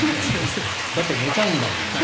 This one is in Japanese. だって寝ちゃうんだもん。